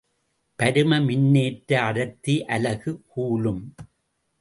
பரும மின்னேற்ற அடர்த்தி அலகு கூலும்.